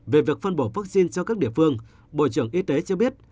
về việc phân bổ vắc xin cho các địa phương bộ trưởng y tế cho biết